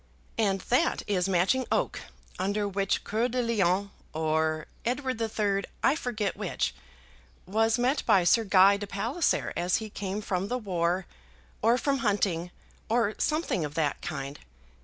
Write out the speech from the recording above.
"And that is Matching oak, under which Coeur de Lion or Edward the Third, I forget which, was met by Sir Guy de Palisere as he came from the war, or from hunting, or something of that kind.